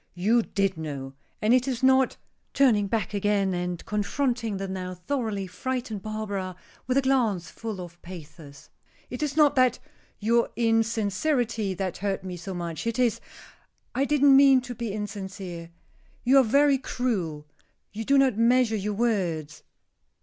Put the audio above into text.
"You did know. And it is not," turning back again and confronting the now thoroughly frightened Barbara with a glance full of pathos, "it is not that your insincerity that hurt me so much, it is " "I didn't mean to be insincere; you are very cruel you do not measure your words."